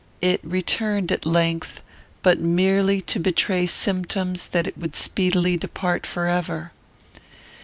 It returned at length, but merely to betray symptoms that it would speedily depart forever.